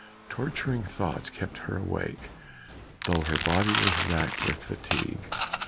Torturing thoughts kept her awake, though her body was racked with fatigue.